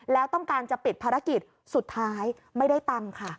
แล้วต้องการจะปิดภารกิจสุดท้ายไม่ได้ตังค์ค่ะ